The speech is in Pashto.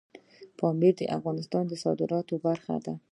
پامیر د افغانستان د صادراتو برخه ده.